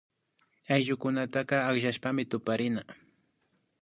Ayllukunataka ukllashpami tuparina